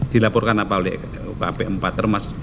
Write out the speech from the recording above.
dilaporkan apa oleh ukp empat termas